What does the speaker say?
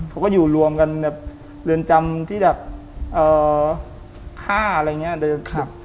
เขาก็อยู่รวมกันแบบเรือนจำที่แบบฆ่าอะไรอย่างนี้